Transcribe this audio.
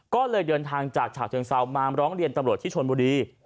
ก็เลยเดินทางจากฉะเชิงเซามาร้องเรียนตำรวจที่ชนบุรี